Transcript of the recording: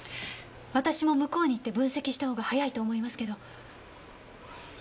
私も向こうに行って分析した方が早いと思いますけど。